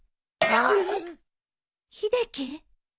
秀樹。